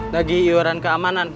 dagi iwaran keamanan